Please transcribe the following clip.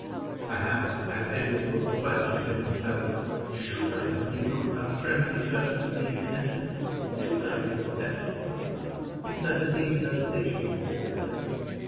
Perhaps, had Edward put the question to himself, "Should I have been on such friendly terms with the intendant should I have accepted his offer, if there had been no Patience Heatherstone?"